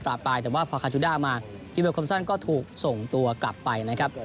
ไปแต่ว่าพอคาจูด้ามาคิมเบอร์คมซันก็ถูกส่งตัวกลับไปนะครับ